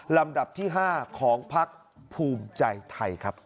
ลำดับที่๕ของพักภูมิใจไทยครับ